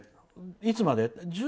いつまで？